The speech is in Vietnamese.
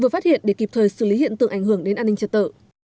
vừa phát hiện để kịp thời xử lý hiện tượng ảnh hưởng đến an ninh trật tự